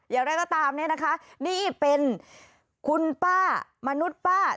อย่างไรก็ตามเนี่ยนะคะนี่เป็นคุณป้ามนุษย์ป้า